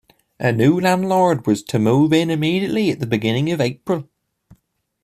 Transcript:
A new landlord was to move in immediately at the beginning of April.